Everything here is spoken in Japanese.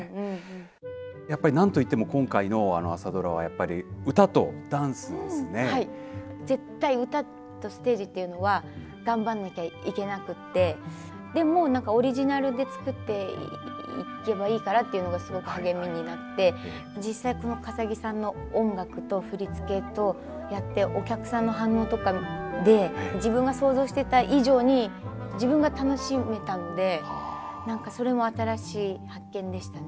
やっぱりなんといっても今回の朝ドラはやっぱり、歌とダンス絶対歌とステージというのは頑張んなきゃいけなくって、でもなんかオリジナルで作っていけばいいからっていうのがすごく励みになって、実際、この笠置さんの音楽と振り付けとやってお客さんの反応とかで、自分が想像してた以上に自分が楽しめたので、なんかそれも新しい発見でしたね。